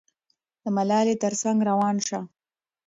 د ملالۍ تر څنګ روان شه.